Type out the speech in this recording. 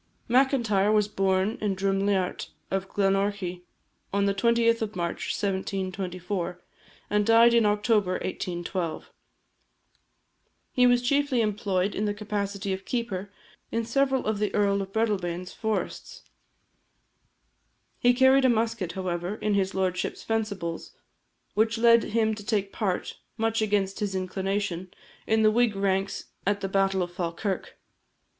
Macintyre was born in Druimliart of Glenorchy on the 20th of March 1724, and died in October 1812. He was chiefly employed in the capacity of keeper in several of the Earl of Breadalbane's forests. He carried a musket, however, in his lordship's fencibles; which led him to take part, much against his inclination, in the Whig ranks at the battle of Falkirk.